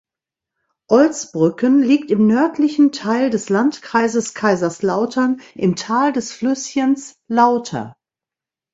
Olsbrücken liegt im nördlichen Teil des Landkreises Kaiserslautern im Tal des Flüsschens Lauter.